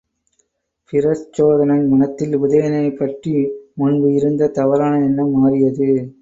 பிரச்சோதனன் மனத்தில் உதயனனைப் பற்றி முன்பு இருந்த தவறான எண்ணம் மாறியது.